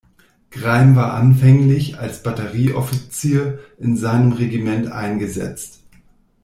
Greim war anfänglich als Batterieoffizier in seinem Regiment eingesetzt.